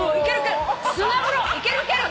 いけるいける。